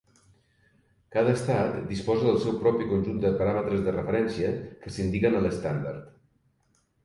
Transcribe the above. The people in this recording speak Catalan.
Cada estat disposa del seu propi conjunt de paràmetres de referència que s'indiquen a l'estàndard.